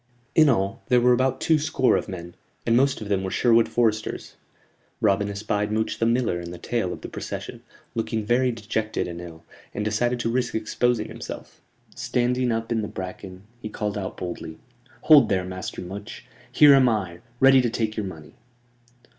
In all, there were about two score of men, and most of them were Sherwood foresters. Robin espied Much the Miller in the tail of the procession, looking very dejected and ill, and decided to risk exposing himself. Standing up in the bracken, he called out boldly: "Hold there, Master Much. Here am I, ready to take your money."